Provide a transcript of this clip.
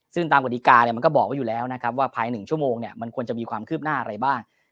ซึ่งตามกฎิกามันก็บอกไว้อยู่แล้วนะครับว่าภาย๑ชั่วโมงเนี่ยมันควรจะมีความคืบหน้าอะไรบ้าง